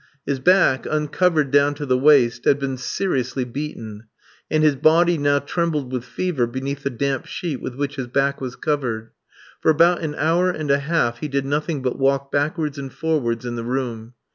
His back, uncovered down to the waist, had been seriously beaten, and his body now trembled with fever beneath the damp sheet with which his back was covered. For about an hour and a half he did nothing but walk backwards and forwards in the room.